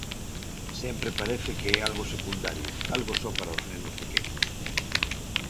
Sempre parece que é algo secundario, algo só para os nenos pequenos.